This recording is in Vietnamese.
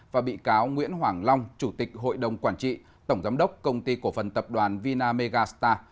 và bị cáo nguyễn hoàng long chủ tịch hội đồng quản trị tổng giám đốc công ty cổ phần tập đoàn vina megastar